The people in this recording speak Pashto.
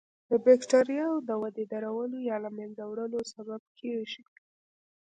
د بکټریاوو د ودې د درولو یا له منځه وړلو سبب کیږي.